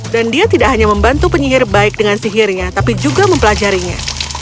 dan dia tidak hanya membantu penyihir baik dengan sihirnya tapi juga mempelajarinya